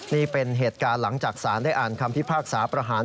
นี่เป็นเหตุการณ์หลังจากสารได้อ่านคำพิพากษาประหาร